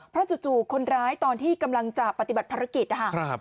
เพราะจู่คนร้ายตอนที่กำลังจะปฏิบัติภารกิจนะคะ